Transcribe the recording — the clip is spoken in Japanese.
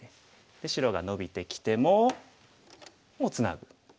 白がノビてきてももうツナぐ。